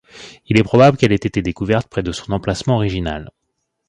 Il est probable qu'elle ait été découverte près de son emplacement original.